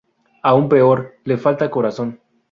Aún peor, le falta corazón.